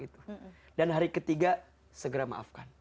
itu dan hari ketiga segera maafkan